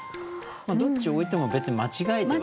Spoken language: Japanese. どっちを置いても別に間違いではない？